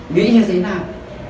nghĩ như thế nào